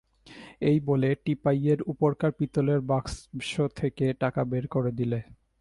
এই বলে টিপাইয়ের উপরকার পিতলের বাক্স থেকে টাকা বের করে দিলে।